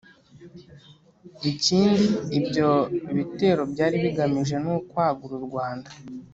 ikindi ibyo bitero byari bigamije ni kwagura u rwanda